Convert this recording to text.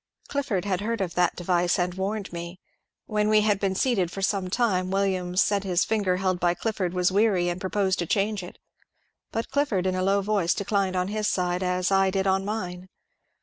Clifford had heard of that device and warned me. When we had been seated for some time Williams said his finger held by Clifford was weary, and proposed to change it, but Clifford in a low voice declined on his side, as I did on mine.